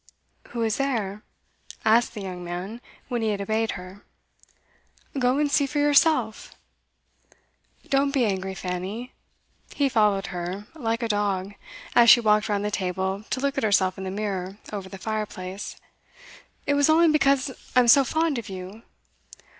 'Who is there?' asked the young man, when he had obeyed her. 'Go and see for yourself.' 'Don't be angry, Fanny.' He followed her, like a dog, as she walked round the table to look at herself in the mirror over the fireplace. 'It was only because I'm so fond of you.